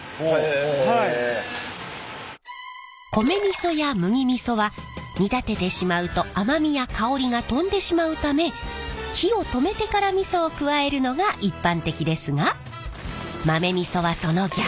米味噌や麦味噌は煮立ててしまうと甘みや香りが飛んでしまうため火を止めてから味噌を加えるのが一般的ですが豆味噌はその逆！